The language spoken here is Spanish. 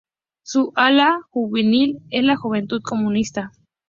Su ala juvenil es la Juventud Comunista.